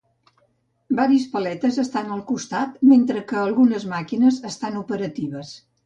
Varis paletes estan al costat mentre que algunes màquines estan operatives.